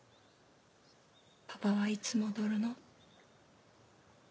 「パパはいつ戻るの？」。